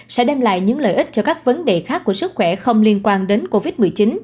sẽ đem lại những lợi ích cho các vấn đề khác của sức khỏe không liên quan đến covid một mươi chín